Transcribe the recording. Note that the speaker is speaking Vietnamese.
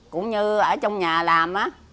cũng như ở trong nhà làm á